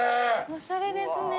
おしゃれですね。